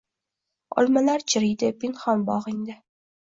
Olmalar chiriydi pinhon bog’ingda